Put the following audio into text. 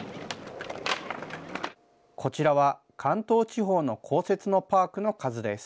こちらは、関東地方の公設のパークの数です。